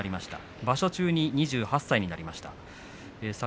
場所中に２８歳になりました。